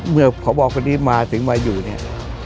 เมื่อพบคนนี้มาถึงมาอยู่เนี่ย